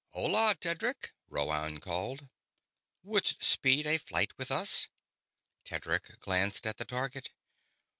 "Hola, Tedric!" Rhoann called. "Wouldst speed a flight with us?" Tedric glanced at the target.